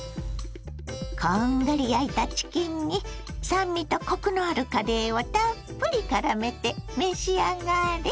こんがり焼いたチキンに酸味とコクのあるカレーをたっぷりからめて召し上がれ。